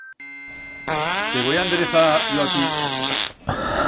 Te voi a endrezar yo a tu.